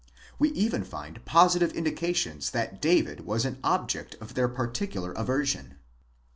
15 We even find positive indications that David was an object of their particular aversion.